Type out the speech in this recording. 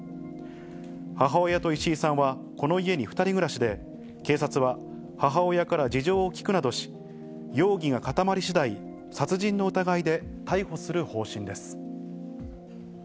母親と石井さんはこの家に２人暮らしで、警察は、母親から事情を聴くなどし、容疑が固まりしだい、殺人の疑いで逮捕する方針です。